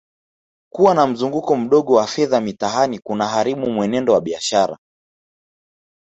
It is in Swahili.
Kuwa na mzunguko mdogo wa fedha mitaani kunaharibu mwenendo wa biashara